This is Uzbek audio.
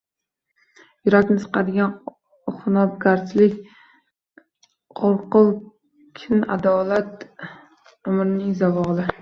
Yurakni siqadigan xunobgarchilik, qo‘rquv, kin-adovat — umrning zavoli.